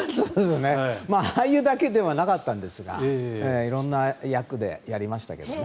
俳優だけではなかったんですが色んな役でやりましたけどね。